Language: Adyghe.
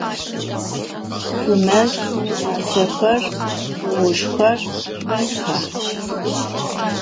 Şüimez bacexer, tığuzjxer xesxa?